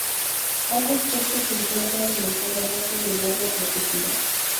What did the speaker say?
Ambos puestos se encuentran en la zona norte del área protegida.